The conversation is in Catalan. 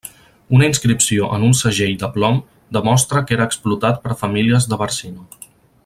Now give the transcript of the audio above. Una inscripció en un segell de plom demostra que era explotat per famílies de Barcino.